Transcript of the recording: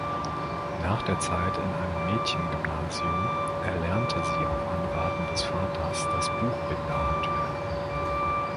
Nach der Zeit in einem Mädchengymnasium erlernte sie auf Anraten des Vaters das Buchbinder-Handwerk.